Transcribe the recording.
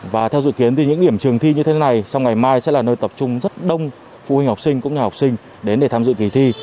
và theo dự kiến thì những điểm trường thi như thế này trong ngày mai sẽ là nơi tập trung rất đông phụ huynh học sinh cũng như học sinh đến để tham dự kỳ thi